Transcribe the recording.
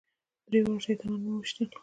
درې واړه شیطانان مو وويشتل.